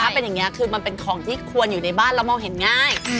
เป็นอย่างนี้คือมันเป็นของที่ควรอยู่ในบ้านแล้วมองเห็นง่าย